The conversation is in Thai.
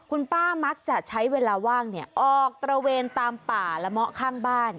คุณป้ามักจะใช้เวลาว่างออกตระเวนตามป่าละเมาะข้างบ้าน